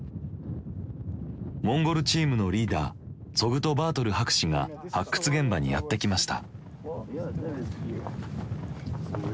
モンゴルチームのリーダーツォグトバートル博士が発掘現場にやって来ました。